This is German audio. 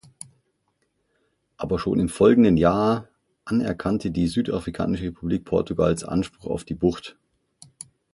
Aber schon im folgenden Jahr anerkannte die Südafrikanische Republik Portugals Anspruch auf die Bucht.